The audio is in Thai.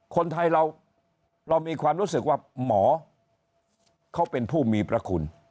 คนไทยเรามีความรู้สึกว่าหมอเขาเป็นผู้มีประคุณ